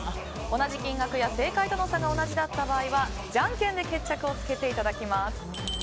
同じ金額や、正解との差が同じだった場合はじゃんけんで決着をつけていただきます。